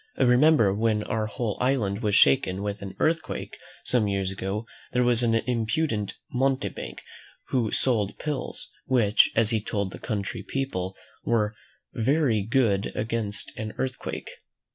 I remember when our whole island was shaken with an earthquake some years ago, there was an impudent mountebank who sold pills, which, as he told the country people, were "very good against an earthquake."